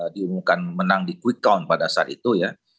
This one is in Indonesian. diumumkan menang di quick count pada saat itu ya